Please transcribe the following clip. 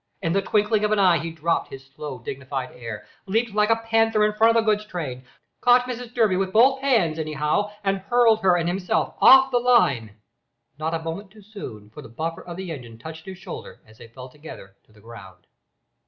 In the twinkling of an eye he dropped his slow dignified air, leaped like a panther in front of the goods engine, caught Mrs Durby with both hands any how and hurled her and himself off the line, not a moment too soon, for the buffer of the engine touched his shoulder as they fell together to the ground.